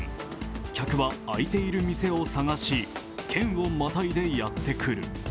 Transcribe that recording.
客は開いている店を探し、県をまたいでやってくる。